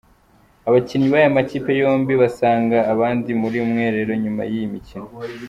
Abakinnyi b'aya makipe yombi bazasanga abandi muri mwiherero nyuma y’iyi mikino.